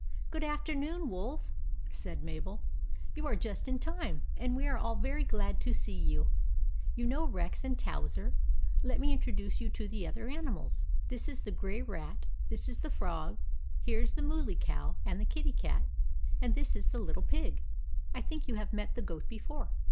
" Good afternoon, Wolf," said Mabel. u You are just in time, and we are all very glad to see you. You know Rex and Towser ; let me introduce you to the other animals. This is the Grey Rat ; this is the Frog ; here is the Mooly Cow, and the Kitty Cat ; and this is the Little Pig. I think you have met the Goat before."